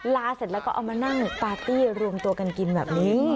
เสร็จแล้วก็เอามานั่งปาร์ตี้รวมตัวกันกินแบบนี้